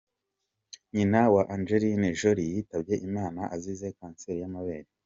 Nyina wa Angelina Jolie yitabye Imana azize kanseri y'amabere.